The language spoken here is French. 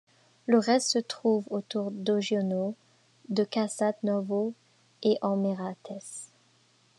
Le reste se trouve autour d'Oggiono, de Casate-Novo et en Meratese.